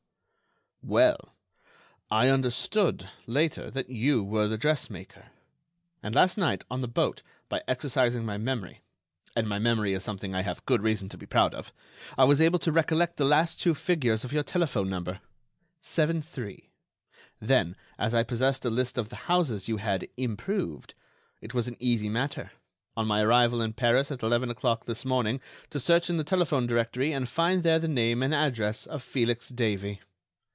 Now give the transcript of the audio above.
"Well, I understood, later, that you were the dressmaker. And last night, on the boat, by exercising my memory—and my memory is something I have good reason to be proud of—I was able to recollect the last two figures of your telephone number—73. Then, as I possessed a list of the houses you had 'improved,' it was an easy matter, on my arrival in Paris at eleven o'clock this morning, to search in the telephone directory and find there the name and address of Felix Davey.